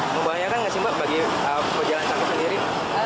membahayakan gak sih mbak bagi pejalan kakek sendiri